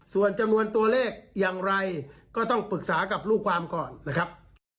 ส่วนจำนวนตัวเลขอย่างไรก็ต้องปรึกษากับลูกความก่อนนะครับ